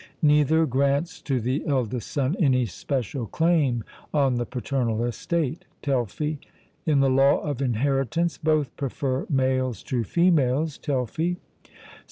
Neither grants to the eldest son any special claim on the paternal estate (Telfy). In the law of inheritance both prefer males to females (Telfy).